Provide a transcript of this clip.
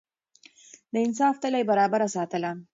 د انصاف تله يې برابره ساتله.